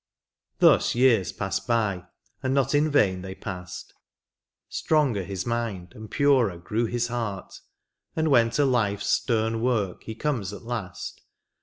Thus years passed by, and not in vain they past ; Stronger his mind and purer grew his heart, And when to life's stem work he comes at last.